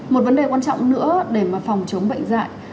một vấn đề quan trọng nữa để mà phòng chống bệnh dạy